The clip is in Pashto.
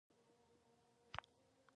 خو حقیقت دا دی چې دا هم یو خیال دی.